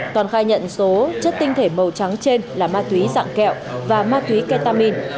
toàn khai nhận số chất tinh thể màu trắng trên là ma túy dạng kẹo và ma túy ketamin